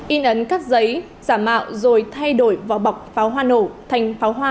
in ấn các giấy giả mạo rồi thay đổi vỏ bọc pháo hoa nổ thành pháo hoa